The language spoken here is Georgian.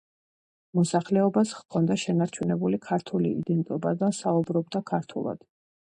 მოსახლეობას ჰქონდა შენარჩუნებული ქართული იდენტობა და საუბრობდა ქართულად.